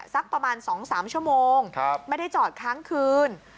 สักประมาณสองสามชั่วโมงครับไม่ได้จอดครั้งคืน